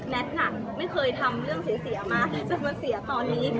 ไม่เคยทำเรื่องเสียมาจนมาเสียตอนนี้